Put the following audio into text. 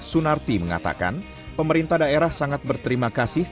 sunarti mengatakan pemerintah daerah sangat berterima kasih